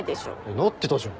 なってたじゃん。